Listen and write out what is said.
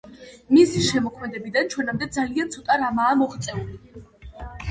მისი შემოქმედებიდან ჩვენამდე ძალიან ცოტა რამაა მოღწეული.